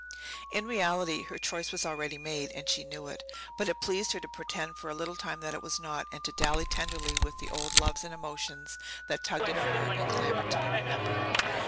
In reality, her choice was already made, and she knew it. But it pleased her to pretend for a little time that it was not, and to dally tenderly with the old loves and emotions that tugged at her heart and clamoured to be remembered.